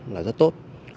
là rất tốt